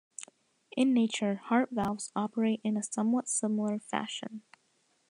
In nature, heart valves operate in a somewhat similar fashion.